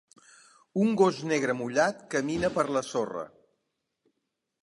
Un gos negre mullat camina per la sorra.